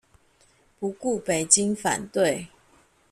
不顧北京反對